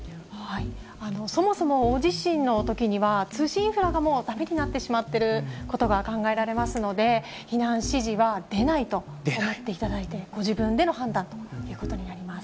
そもそも大地震のときには、通信インフラがもうだめになってしまってることが考えられますので、避難指示は出ないと思っていただいて、ご自分での判断ということになります。